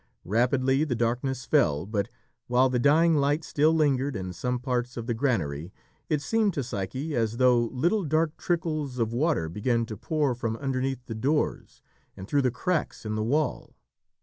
Rapidly the darkness fell, but while the dying light still lingered in some parts of the granary, it seemed to Psyche as though little dark trickles of water began to pour from underneath the doors and through the cracks in the wall.